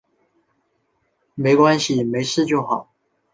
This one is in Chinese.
没关系，没事就好